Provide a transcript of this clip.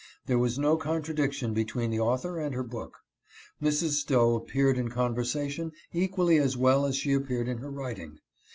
There was no contradiction between the author and her book. Mrs. Stowe appeared in conversation equally as well as she appeared in her writing.